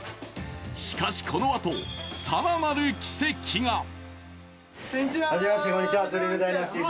しかし、このあと更なる奇跡が！